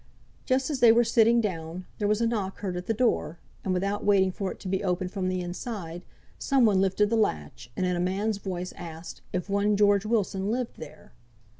Just as they were sitting down, there was a knock heard at the door, and without waiting for it to be opened from the inside, some one lifted the latch, and in a man's voice asked, if one George Wilson lived there?